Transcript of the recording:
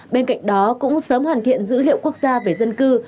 bên cạnh đó cũng sớm hoàn thiện dữ liệu quốc gia về dân cư